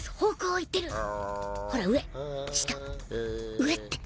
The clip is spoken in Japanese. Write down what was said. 上って。